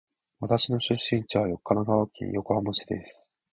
私の出身地は神奈川県横浜市です。